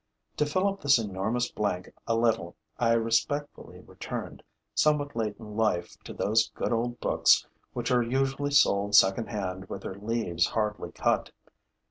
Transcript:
To fill up this enormous blank a little, I respectfully returned, somewhat late in life, to those good old books which are usually sold second hand with their leaves hardly cut.